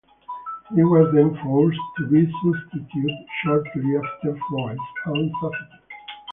He was then forced to be substituted shortly after for his own safety.